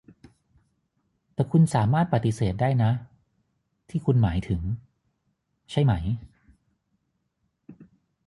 แต่คุณสามารถปฏิเสธได้นะ ที่คุณหมายถึง ใช่ไหม